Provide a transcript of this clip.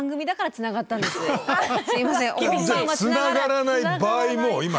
つながらない場合も今。